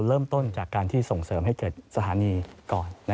เริ่มต้นจากการที่ส่งเสริมให้เกิดสถานีก่อน